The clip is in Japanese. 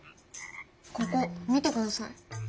ここ見てください。